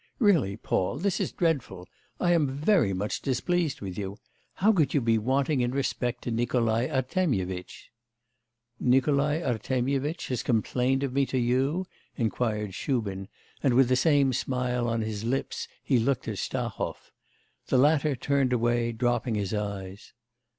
Really, Paul, this is dreadful. I am very much displeased with you. How could you be wanting in respect to Nikolai Artemyevitch?' 'Nikolai Artemyevitch has complained of me to you?' inquired Shubin, and with the same smile on his lips he looked at Stahov. The latter turned away, dropping his eyes.